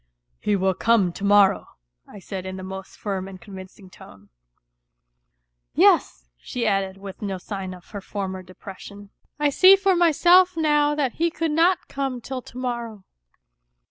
" He will come to morrow," I said in the most firm and con vincing tone. " Yes," she added with no sign of her former depression. " I see for myself now that he could not come till to morrow.